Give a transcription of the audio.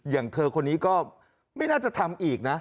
อย่างเธอคนนี้ก็ไม่น่าจะทำอีกนะ